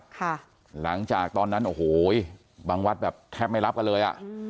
ค่ะหลังจากตอนนั้นโอ้โหบางวัดแบบแทบไม่รับกันเลยอ่ะอืม